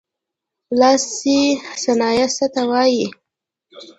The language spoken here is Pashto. لاسي صنایع څه ته وايي.